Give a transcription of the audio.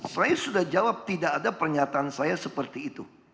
saya sudah jawab tidak ada pernyataan saya seperti itu